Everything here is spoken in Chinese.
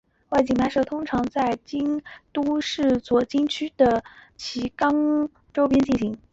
外景拍摄通常都在京都市左京区的冈崎周边进行。